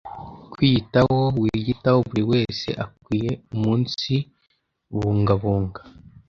Kwiyitaho wiyitaho Buri wese akwiye umunsibungabunga